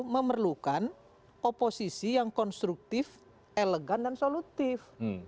memerlukan oposisi yang konstruktif elegan dan solutif